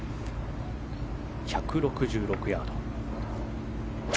１６６ヤード。